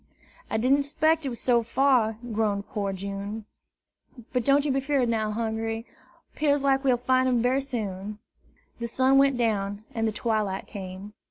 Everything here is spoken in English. "I didn't'spect it was so fur," groaned poor June. "But don't yer be 'feard now, Hungry. 'Pears like we'll fine him berry soon." The sun went down, and the twilight came.